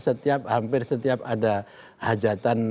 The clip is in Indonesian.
setiap hampir setiap ada hajatan